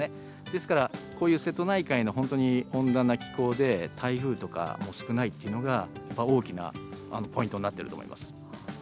ですから、こういう瀬戸内海の本当に温暖な気候で、台風とかも少ないっていうのが、大きなポイントになっていると思います。